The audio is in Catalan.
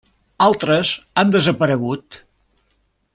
Altres han desaparegut.